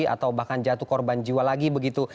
atau bahkan jatuh korban jiwa lagi begitu